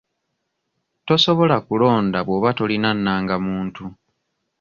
Tosobola kulonda bwoba tolina nnangamuntu.